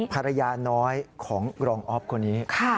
ภรรยาน้อยของรองอ๊อฟคนนี้